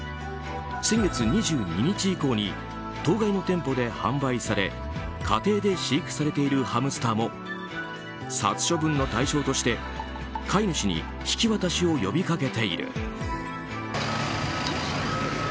先月２２日以降に当該の店舗で販売され家庭で飼育されているハムスターも殺処分の対象として飼い主に引き渡しを呼びかけている。